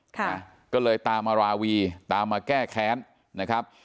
ค่ะก็เลยตามมาราวีตามมาแก้แค้นนะครับ